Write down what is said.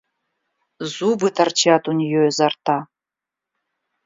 Зубы торчат у нее изо рта.